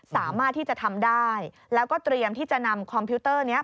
สามารถที่จะทำได้แล้วก็เตรียมที่จะนำคอมพิวเตอร์นี้